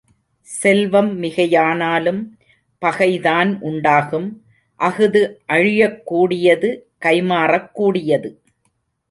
செல்வம் மிகையானாலும் பகைதான் உண்டாகும் அஃது அழியக் கூடியது கைமாறக் கூடியது.